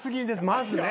まずね。